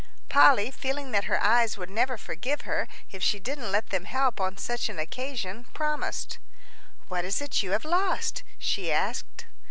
Polly, feeling that her eyes would never forgive her if she didn't let them help on such an occasion, promised. "What is it you have lost?" she asked.